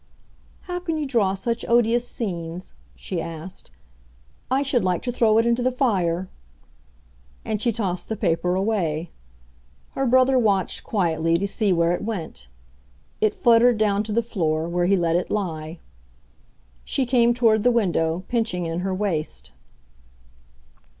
"How can you draw such odious scenes?" she asked. "I should like to throw it into the fire!" And she tossed the paper away. Her brother watched, quietly, to see where it went. It fluttered down to the floor, where he let it lie. She came toward the window, pinching in her waist.